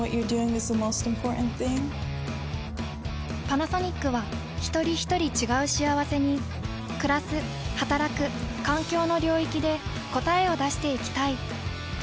パナソニックはひとりひとり違う幸せにくらすはたらく環境の領域で答えを出していきたい。